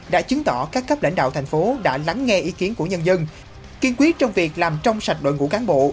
đã chứng tỏ các cấp lãnh đạo thành phố đã lắng nghe ý kiến của nhân dân kiên quyết trong việc làm trong sạch đội ngũ cán bộ